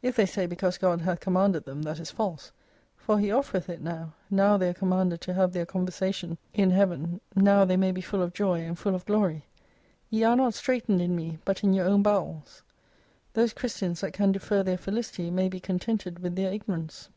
If they say because God hath com manded them, that is false : for He offcreth it now, now they are commanded to have their conversation in 2+5 Heaven, now they may be full of joy and full of glory. Ye are not straitened in me, but in your own bowels. Those Christians that can defer their felicity may be contented with their ignorance.